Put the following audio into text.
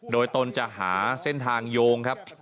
โดยตนจะหาเส้นทางโยงครับ